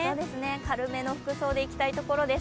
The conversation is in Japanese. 軽めの服装でいきたいところです。